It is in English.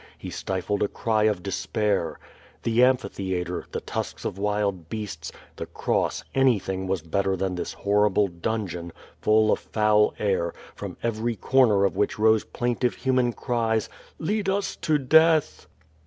He stifled a cry of despair. The amphitheatre, the tusks of wild beasts, the cross, anything was better than this horrible dungeon, full of foul air, from every corner of which rose plaintive human cries: "Ijcad us to death!"